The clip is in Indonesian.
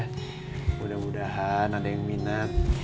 agar ada yang minat